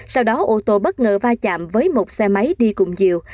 sau đó ô tô bất ngờ va chạm với một xe máy đi cùng chiều